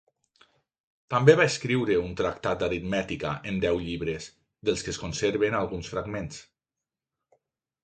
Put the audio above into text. També va escriure un tractat d'aritmètica en deu llibres, dels que es conserven alguns fragments.